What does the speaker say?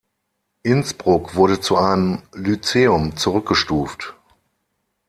Innsbruck wurde zu einem Lyzeum zurückgestuft.